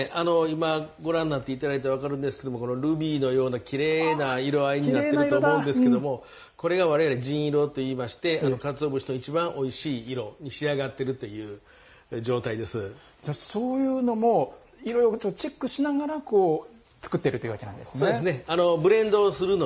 今、ご覧になっていただいたら分かるんですけどもこのルビーのようなきれいな色合いになっていると思うんですけれどもこれが我々じんいろといいましてかつお節のいちばんおいしい色に仕上がっているというそういうのもいろいろチェックしながら作っているそうですね。